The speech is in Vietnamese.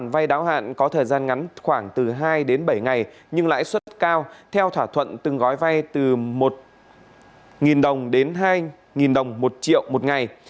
vay đáo hạn có thời gian ngắn khoảng từ hai đến bảy ngày nhưng lãi suất cao theo thỏa thuận từng gói vay từ một đồng đến hai đồng một triệu một ngày